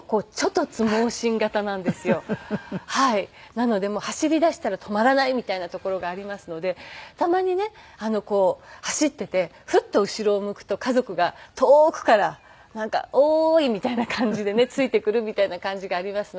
なのでもう走りだしたら止まらないみたいなところがありますのでたまにねこう走っていてふっと後ろを向くと家族が遠くからなんかおーいみたいな感じでねついてくるみたいな感じがありますので。